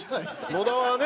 野田はね。